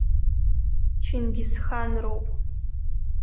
Чингисханроуп.